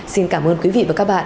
xin cảm ơn quý vị và các bạn